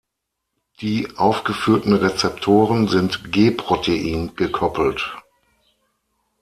Die aufgeführten Rezeptoren sind G-Protein-gekoppelt.